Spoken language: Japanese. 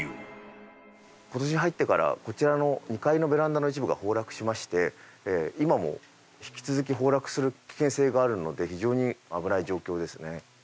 今年に入ってからこちらの２階のベランダの一部が崩落しまして今も引き続き崩落する危険性があるので非常に危ない状況ですね。